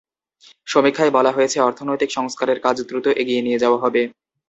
সমীক্ষায় বলা হয়েছে, অর্থনৈতিক সংস্কারের কাজ দ্রুত এগিয়ে নিয়ে যাওয়া হবে।